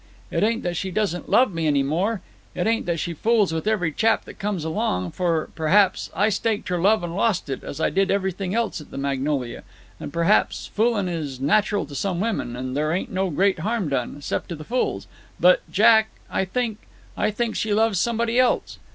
It ain't that she doesn't love me any more; it ain't that she fools with every chap that comes along, for, perhaps, I staked her love and lost it, as I did everything else at the Magnolia; and, perhaps, foolin' is nateral to some women, and thar ain't no great harm done, 'cept to the fools. But, Jack, I think I think she loves somebody else.